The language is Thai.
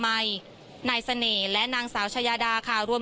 พูดสิทธิ์ข่าวธรรมดาทีวีรายงานสดจากโรงพยาบาลพระนครศรีอยุธยาครับ